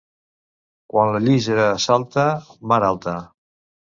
Quan la llíssera salta, mar alta.